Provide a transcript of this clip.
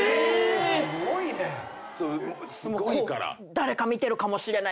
誰か見てるかもしれない。